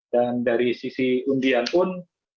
dan dari sisi undian pun